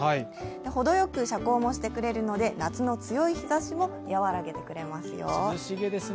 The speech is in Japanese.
ほどよく遮光もしてくれるので夏の強い日ざしも和らげてくれますよ。